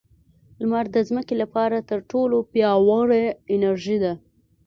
• لمر د ځمکې لپاره تر ټولو پیاوړې انرژي ده.